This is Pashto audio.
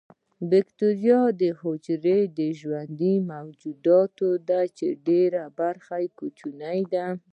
باکتریا یو حجروي ژوندی موجود دی چې ډیر کوچنی دی